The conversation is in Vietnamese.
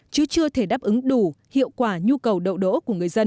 chứ chưa thể đáp ứng đủ hiệu quả nhu cầu đậu đỗ của người dân